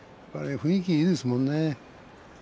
雰囲気がいいですものね。